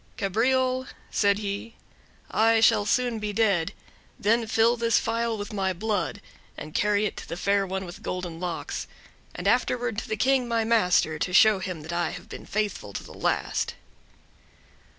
"Cabriole," said he, "I shall soon be dead; then fill this phial with my blood, and carry it to the Fair One with Golden Locks, and afterward to the King, my master, to show him I have been faithful to the last."